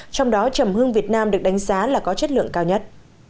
trong đó chầm hương việt nam được đánh giá là có chất lượng cao nhất